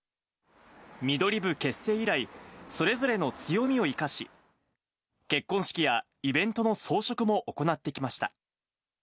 ミドリブ結成以来、それぞれの強みを生かし、結婚式やイベントの装飾も行ってきました。